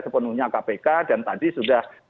sepenuhnya kpk dan tadi sudah